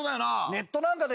ネットなんかね